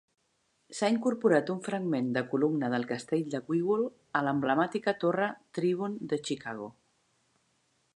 S'ha incorporat un fragment de columna del Castell de Wawel a l'emblemàtica Torre Tribune de Chicago.